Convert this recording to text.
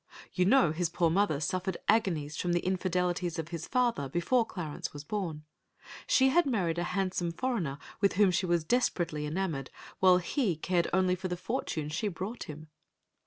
You know his poor mother suffered agonies from the infidelities of his father before Clarence was born. She had married a handsome foreigner with whom she was desperately enamoured, while he cared only for the fortune she brought him.